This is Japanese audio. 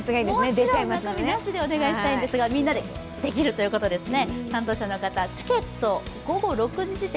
もちろん、中身なしでお願いしたいんですが、みんなでできるということですね。